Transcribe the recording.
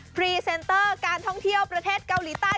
พรีเซนเตอร์การท่องเที่ยวประเทศเกาหลีใต้